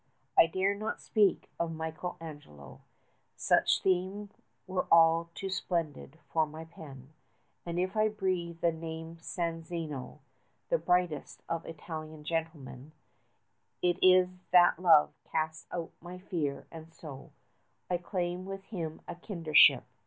I dare not speak of Michael Angelo Such theme were all too splendid for my pen: And if I breathe the name of Sanzio 75 (The brightest of Italian gentlemen), It is that love casts out my fear, and so I claim with him a kindredship.